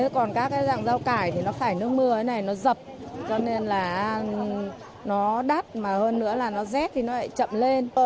còn các dạng rau cải thì nó phải nước mưa nó dập cho nên là nó đắt mà hơn nữa là nó rét thì nó lại chậm lên